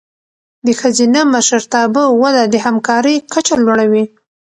د ښځینه مشرتابه وده د همکارۍ کچه لوړوي.